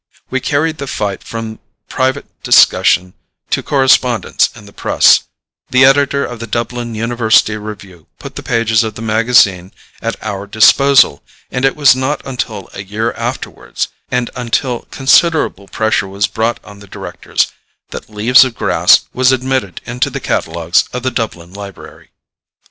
We carried the fight from private discussion to correspondence in the press; the editor of the Dublin University Review put the pages of the magazine at our disposal, and it was not until a year afterwards, and until considerable pressure was brought on the directors, that "Leaves of Grass" was admitted into the catalogues of the Dublin library.